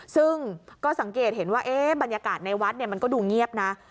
ซึ่งก็สังเกตเห็นว่าบรรยากาศในวัดมันก็ดูเงียบนะ